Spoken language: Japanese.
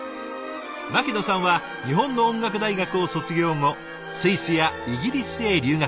牧野さんは日本の音楽大学を卒業後スイスやイギリスへ留学。